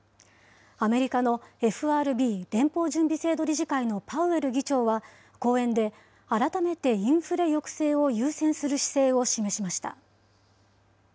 アメリカのＦＲＢ・連邦準備制度理事会のパウエル議長は、講演で、改めてインフレ抑制を優先する姿勢を示しました。